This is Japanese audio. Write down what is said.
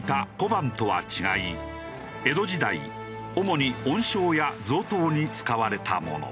江戸時代主に恩賞や贈答に使われたもの。